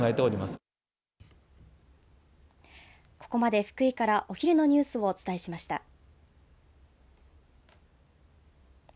ここまで福井からお昼のニュースをお伝えしました。